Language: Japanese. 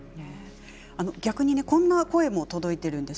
逆にこんな声も届いています。